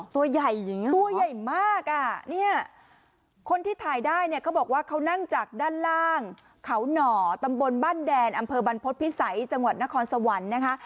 ตัวใหญ่อย่างนี้ตัวใหญ่มากอ่ะเนี่ยคนที่ถ่ายได้เนี่ยเขาบอกว่าเขานั่งจากด้านล่างเขาหน่อตำบลบ้านแดนอำเภอบรรพฤษภิษัยจังหวัดนครสวรรค์นะคะ